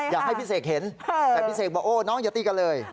อยากให้พี่เสกเห็นแต่พี่เสกบอกโอ้น้องอย่าตีกันเลย